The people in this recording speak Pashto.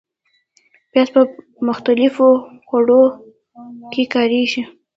پیاز په مختلفو خوړو کې کارېږي